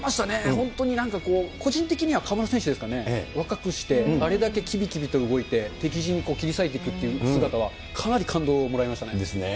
本当になんか個人的には河村選手ですかね、若くしてあれだけきびきびと動いて、敵陣を切り裂いていくっていう姿はかなり感動をもらいましたね。ですね。